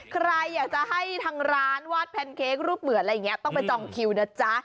ใครอยากจะให้ทางร้านวาดแพนเค้กรูปเหมือนอะไรอย่างนี้ต้องไปจองคิวนะจ๊ะ